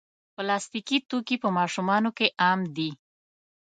پلاستيکي توکي په ماشومانو کې عام دي.